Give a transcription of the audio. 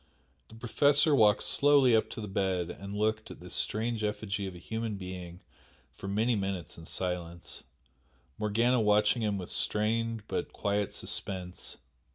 The Professor walked slowly up to the bed and looked at this strange effigy of a human being for many minutes in silence, Morgana watching him with strained but quiet suspense.